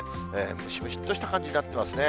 ムシムシっとした感じになってますね。